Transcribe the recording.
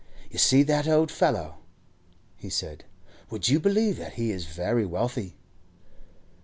'You see that old fellow,' he said. 'Would you believe that he is very wealthy?